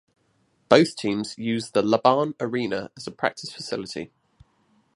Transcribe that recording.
Both teams use the LaBahn Arena as a practice facility.